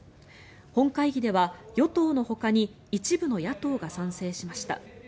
本会議では与党のほかに一部の野党が賛成しました。